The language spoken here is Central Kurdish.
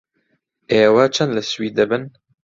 ئێوە چەند لە سوید دەبن؟